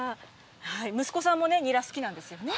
息子さんもニラ、好きなんですよね。